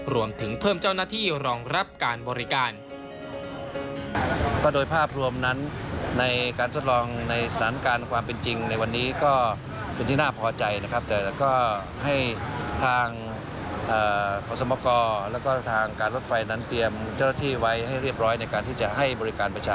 รวมถึงเพิ่มเจ้าหน้าที่รองรับการบริการ